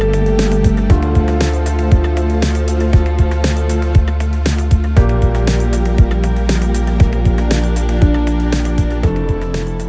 สวัสดีครับ